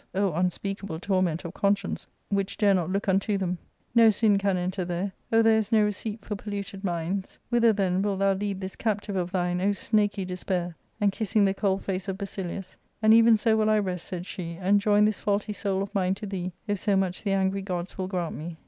O unspeakable torment of conscience, which dare not look unto them i No sin can enter there ; oh, there is no receipt for polluted minds I Whither, then, wilt thou lead this captive of thine, O snaky despair?" And kissing the cold face of Basilius, "And even so will I rest,'' said she, " and join this faulty soul of mine to tiiee, if so much the angry gods will grant me."